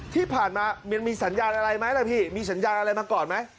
ที่ผ่านมามันมีสัญญาณอะไรไหมล่ะพี่มีสัญญาณอะไรมาก่อนไหม